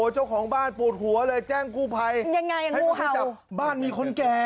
เจ้าของบ้านปวดหัวเลยแจ้งกู้ภัยยังไงให้จับบ้านมีคนแก่